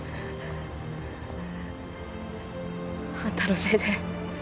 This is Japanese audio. あんたのせいで